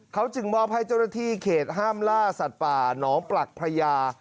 เขาจึงมอบให้เจ้าหน้าที่เขตห้ามล่าสัตว์ป่าน้องปลักพระยา